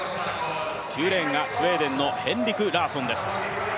９レーンがスウェーデンのヘンリク・ラーソンです。